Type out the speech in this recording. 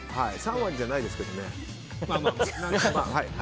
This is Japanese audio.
３割じゃないですけどね。